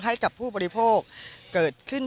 ให้กับผู้บริโภคเกิดขึ้น